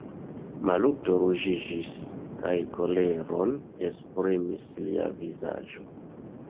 Maluto ruĝiĝis, kaj koleron esprimis lia vizaĝo.